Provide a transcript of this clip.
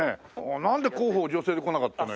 なんで広報女性でこなかったのよ。